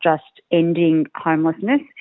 bukan hanya mengakhiri kelelahan rumah